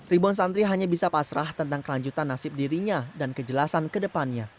ribon santri hanya bisa pasrah tentang kelanjutan nasib dirinya dan kejelasan ke depannya